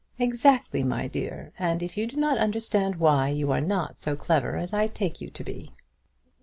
"Exactly, my dear; and if you do not understand why, you are not so clever as I take you to be."